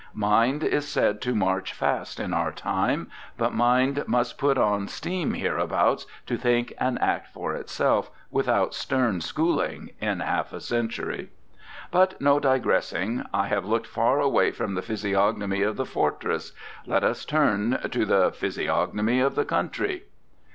Mind is said to march fast in our time; but mind must put on steam hereabouts to think and act for itself, without stern schooling, in half a century. But no digressing! I have looked far away from the physiognomy of the fortress. Let us turn to the PHYSIOGNOMY OF THE COUNTRY.